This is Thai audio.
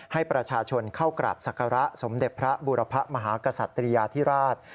ให้ประชาชนเข้ากราบศักระสมเด็จพระบูรพะมหากษัตริยาธิราช